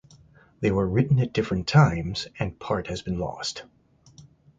They were written at different times, and part has been lost.